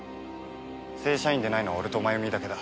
正社員でないのは俺とまゆみだけだ。